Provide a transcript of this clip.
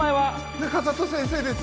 中里先生です